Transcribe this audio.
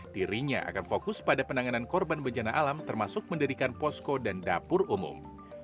dirinya akan fokus pada penanganan korban bencana alam termasuk mendirikan posko dan dapur umum